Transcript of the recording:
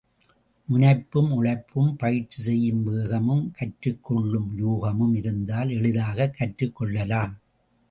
முனைப்பும், உழைப்பும், பயிற்சி செய்யும் வேகமும், கற்றுக் கொள்ளும் யூகமும் இருந்தால், எளிதாகக் கற்றுக் கொள்ளலாம்.